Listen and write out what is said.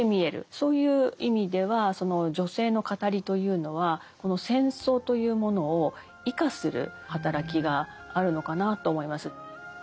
そういう意味ではその女性の語りというのはこの戦争というものを異化する働きがあるのかなと思います。